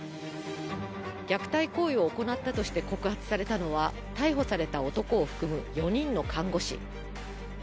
虐待行為を行ったとして告発されたのは、逮捕された男を含む４人の看護師。